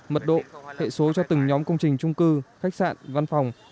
mật độ hệ số cho từng nhóm công trình trung cư khách sạn văn phòng